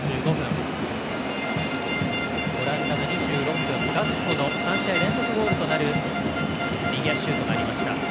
オランダが２６分ガクポの３試合連続ゴールとなる右足シュートがありました。